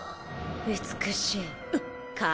美しい髪。